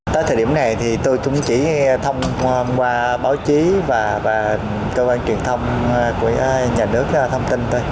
tới thời điểm này thì tôi cũng chỉ thông qua báo chí và cơ quan truyền thông của nhà nước thông tin thôi